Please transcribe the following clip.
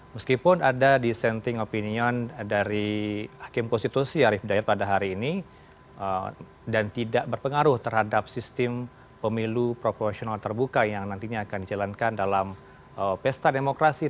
meskipun ada dissenting opinion dari hakim konstitusi arief dayat pada hari ini dan tidak berpengaruh terhadap sistem pemilu proporsional terbuka yang nantinya akan dijalankan dalam pesta demokrasi